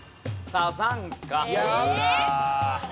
サザンカ。